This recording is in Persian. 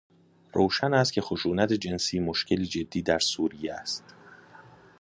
روشن است که خشونت جنسی مشکلی جدی در سوریه است.